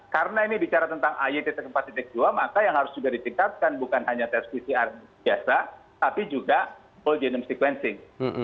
karena ini bicara tentang ayt empat dua maka yang harus juga ditingkatkan bukan hanya tes pcr biasa tapi juga whole genome sequencing